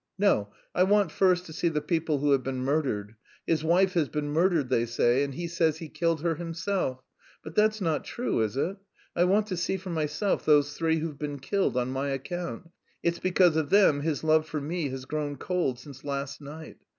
No! I want first to see the people who have been murdered. His wife has been murdered they say, and he says he killed her himself. But that's not true, is it? I want to see for myself those three who've been killed... on my account... it's because of them his love for me has grown cold since last night....